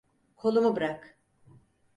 Kolumu bırak.